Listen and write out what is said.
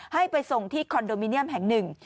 ให้ไปส่งที่คอนโดมิเนียมแห่งหนึ่ง